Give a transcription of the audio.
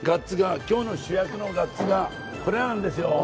今日の主役のガッツがこれなんですよ。